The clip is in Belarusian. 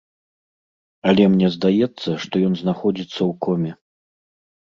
Але мне здаецца, што ён знаходзіцца ў коме.